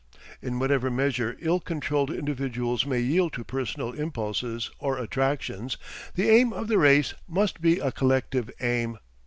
In whatever measure ill controlled individuals may yield to personal impulses or attractions, the aim of the race must be a collective aim.